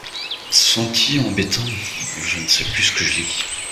Sont-y embêtants ! je ne sais plus ce que je lis…